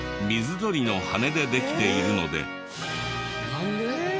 なんで？